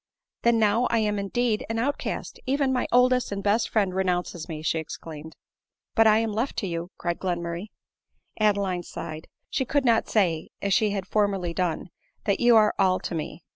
" Then now I am indeed an outcast! even my oldest and best friend renounces me," she exclaimed. " But I am left to you,"' cried Glenmurray. Adeline sighed. She could not say,, as she had for merly done, " and you are all to me."